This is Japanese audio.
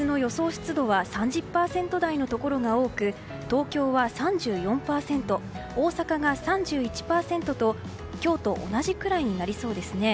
湿度は３０％台のところが多く東京は３４％大阪が３１％と今日と同じくらいになりそうです。